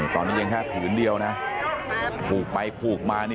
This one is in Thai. ตอนนี้ยังแค่ผืนเดียวนะผูกไปผูกมานี่